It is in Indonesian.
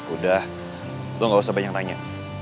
udah gue gak usah banyak nanya